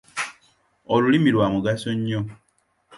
Olulimi lwa mugaso nnyo.